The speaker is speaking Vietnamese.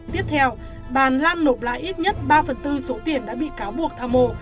tiếp theo bàn lan nộp lại ít nhất ba phần tư số tiền đã bị cáo buộc tham mô